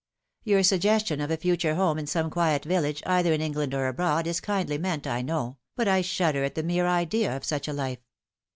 " Your suggestion of a future home in some quiet village, either in England or abroad, is kindly meant, 1 know, but I shudder at the mere idea of such a life.